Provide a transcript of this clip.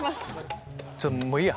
もういいや！